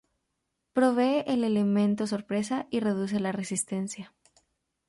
Provee el elemento sorpresa y reduce la resistencia.